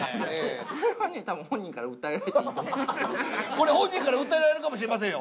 これ本人から訴えられるかもしれませんよ？